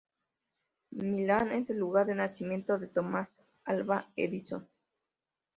Milan es el lugar de nacimiento de Thomas Alva Edison.